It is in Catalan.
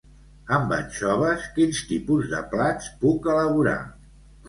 Amb anxoves quins tipus de plats puc elaborar?